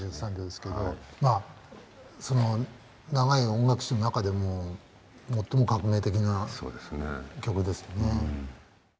まあその長い音楽史の中でも最も革命的な曲ですよね。